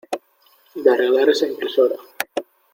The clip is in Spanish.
de arreglar esa impresora.